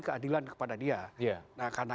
keadilan kepada dia nah karena